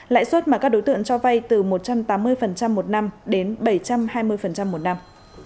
lãi suất mà các đối tượng cho vay từ một trăm tám mươi một năm đến bảy trăm hai mươi một năm